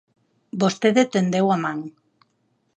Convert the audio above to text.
Vostede tendeu a man.